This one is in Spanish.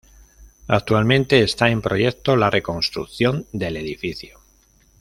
Actualmente está en proyecto la reconstrucción del edificio.